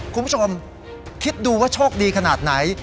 คุณผู้ชมคิดดูว่าโชคดีขนาดไหน